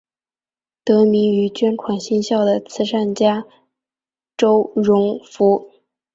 得名于捐款兴校的慈善家周荣富。